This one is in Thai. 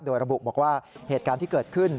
โดยระบุบอกว่าเหตุการณ์ที่เกิดขึ้น